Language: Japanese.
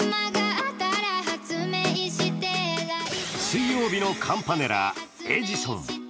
水曜日のカンパネラ「エジソン」。